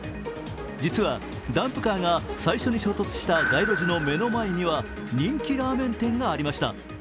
実はダンプカーが最初に衝突した街路樹の目の前には人気ラーメン店がありました。